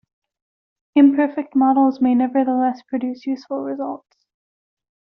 Imperfect models may nevertheless produce useful results.